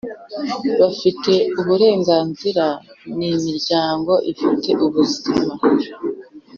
Bafite uburenganzira n imiryango ifite ubuzima